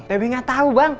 tb gak tau bang